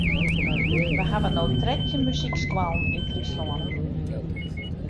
We hawwe no trettjin muzykskoallen yn Fryslân.